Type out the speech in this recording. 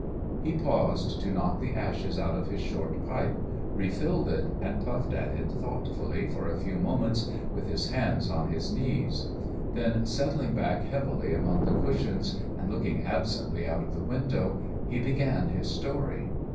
He paused to knock the ashes out of his short pipe, refilled it, and puffed at it thoughtfully for a few moments with his hands on his knees. Then, settling back heavily among the cushions and looking absently out of the window, he began his story.